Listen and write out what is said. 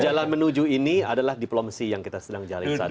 jalan menuju ini adalah diplomasi yang kita sedang jalan saat ini